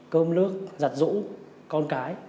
cơm nước giặt rũ con cái